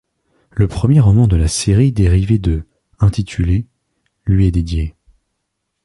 Le premier roman de la série dérivée de ', intitulé ', lui est dédié.